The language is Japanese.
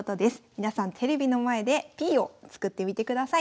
皆さんテレビの前でＰを作ってみてください。